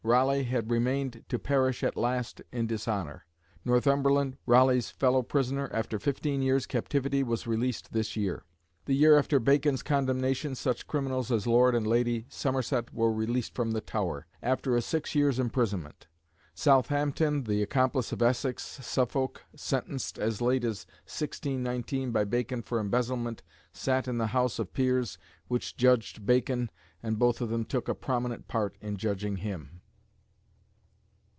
Raleigh had remained to perish at last in dishonour. Northumberland, Raleigh's fellow prisoner, after fifteen years' captivity, was released this year. The year after Bacon's condemnation such criminals as Lord and Lady Somerset were released from the Tower, after a six years' imprisonment. Southampton, the accomplice of Essex, Suffolk, sentenced as late as 1619 by Bacon for embezzlement, sat in the House of Peers which judged Bacon, and both of them took a prominent part in judging him.